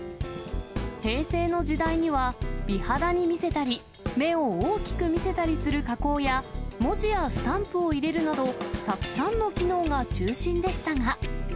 平成の時代には、美肌に見せたり、目を大きく見せたりする加工や、文字やスタンプを入れるなど、たくさんの機能が中心でしたが。